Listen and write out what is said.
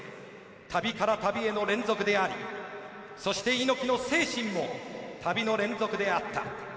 旅から旅への連続でありそして、猪木の精神も旅の連続であった。